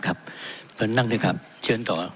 เชิญนั่งด้วยครับเชิญต่อ